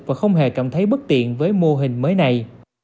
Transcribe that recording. và không hề cảm thấy bất tiện với mô hình mới này